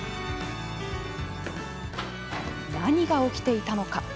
何が起きていたのか。